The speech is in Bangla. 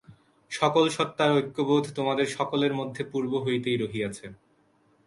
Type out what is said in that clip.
সকল সত্তার ঐক্যবোধ তোমাদের সকলের মধ্যে পূর্ব হইতেই রহিয়াছে।